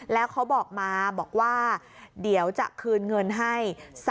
แล้วเขาบอกมาบอกว่าเดี๋ยวจะคืนเงินให้